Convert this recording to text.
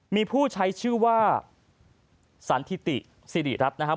มีผู้ใช้ชื่อว่าสันทิติสิริรัตน์นะครับ